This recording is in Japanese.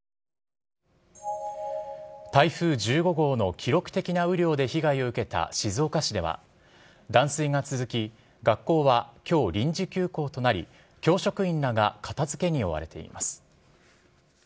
台風１５号の記録的な雨量で被害を受けた静岡市では、断水が続き、学校はきょう臨時休校となり、教職員らが片づけに追われています。